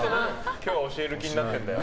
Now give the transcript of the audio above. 今日は教える気になってんだよ。